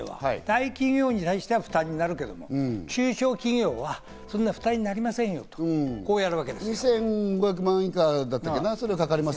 例えば法人税は大企業に対しては負担になるけど、中小企業はそんな負担になりませんよと、こうやるわけです。